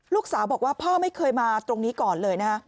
ลูกสาวบอกว่าพ่อไม่เคยมาตรงนี้ก่อนเลยนะฮะ